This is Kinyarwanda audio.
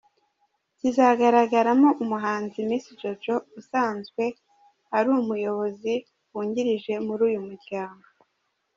Kizagaragaramo umuhanzi Miss Jojo, usanzwe ari umuyobozi wungirije muri uyu muryango.